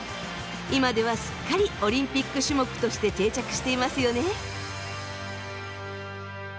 今ではすっかりオリンピック種目として定着していますよね。